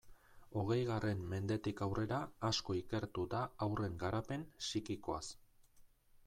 Hogeigarren mendetik aurrera asko ikertu da haurren garapen psikikoaz.